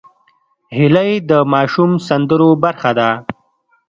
هیلۍ د ماشوم سندرو برخه ده